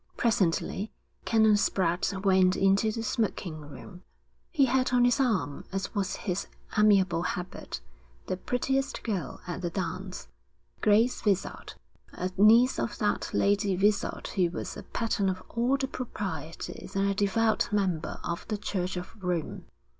Presently Canon Spratte went into the smoking room. He had on his arm, as was his amiable habit, the prettiest girl at the dance, Grace Vizard, a niece of that Lady Vizard who was a pattern of all the proprieties and a devout member of the Church of Rome.